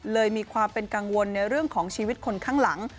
มีความเป็นกังวลในเรื่องของชีวิตคนข้างหลัง